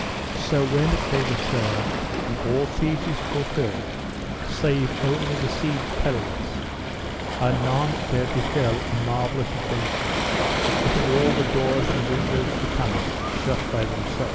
So when they were served, and all sieges fulfilled save only the Siege Perilous, anon there befell a marvellous adventure, that all the doors and windows of the palace shut by themself.